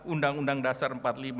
undang undang dasar empat puluh lima